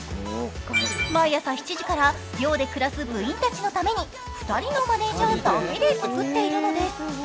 毎朝７時から、寮で暮らす部員たちのために、２人のマネージャーだけで作っているのです。